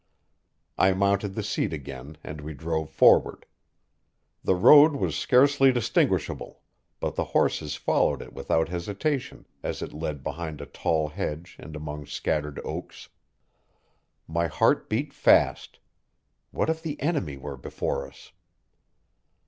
I mounted the seat again, and we drove forward. The road was scarcely distinguishable, but the horses followed it without hesitation as it led behind a tall hedge and among scattered oaks. My heart beat fast. What if the enemy were before us?